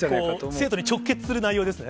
生徒に直結する内容ですね。